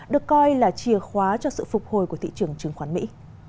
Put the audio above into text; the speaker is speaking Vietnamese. được coi là chìa khóa cho sự phục hồi của thị trường chứng khoán mỹ